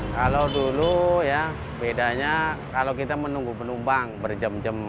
kalau dulu ya bedanya kalau kita menunggu penumpang berjam jam